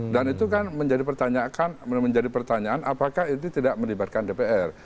dan itu kan menjadi pertanyaan apakah itu tidak melibatkan dpr